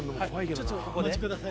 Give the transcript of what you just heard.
ちょっとここでお待ちください。